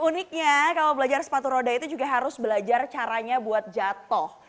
uniknya kalau belajar sepatu roda itu juga harus belajar caranya buat jatuh